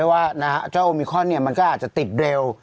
ว่านะครับโอมิคอนเนี่ยมันก็อาจจะติดเร็ว